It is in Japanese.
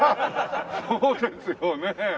そうですよね。